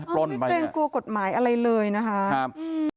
โปร่นไปไม่เป็นกลัวกฎหมายอะไรเลยนะคะอืม